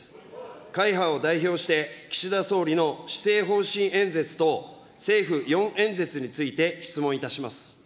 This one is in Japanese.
会派を代表して、岸田総理の施政方針演説と、政府４演説について質問いたします。